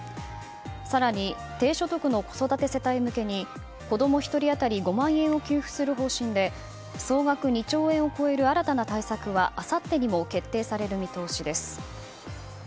更に、低所得の子育て世帯向けに子供１人当たり５万円を給付する方針で総額２兆円を超える新たな対策はあさってにも決定される見通しです。